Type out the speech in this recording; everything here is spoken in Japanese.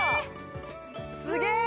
すげえ！